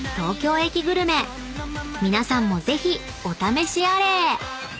［皆さんもぜひお試しあれ］